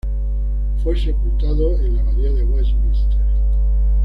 Fue sepultado en la Abadía de Westminster.